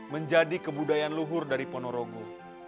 menjadi kebudayaan luhur dari pono rogo